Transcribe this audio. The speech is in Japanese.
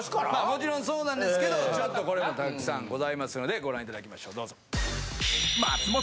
もちろんそうなんですけどちょっとこれもたくさんございますのでご覧頂きましょうどうぞ。